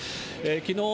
きのう